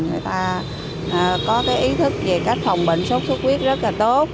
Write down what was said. người ta có cái ý thức về cách phòng bệnh sốt xuất huyết rất là tốt